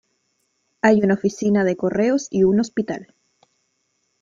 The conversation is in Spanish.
Hay una oficina de correos y un hospital.